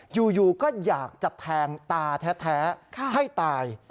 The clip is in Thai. อยู่ก็อยากจะแทงตาแท้ให้ตาย